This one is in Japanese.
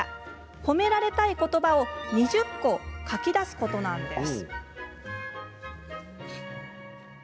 褒められたいことばを２０個書き出すことなんです。